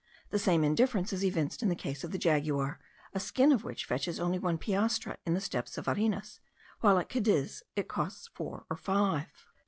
The same indifference is evinced in the chase of the jaguar, a skin of which fetches only one piastre in the steppes of Varinas, while at Cadiz it costs four or five.